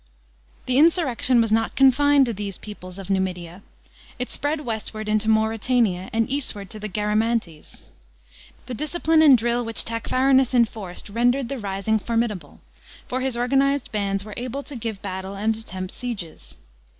The insurrection was not confined to these peoples of Numidia: it spread westward into Mauietania and eastward to the Garamantes. The discipline and drill which Tacfarinas enforced rendered the rising formidable; for his organized bands were able to give battle and attempt sieges.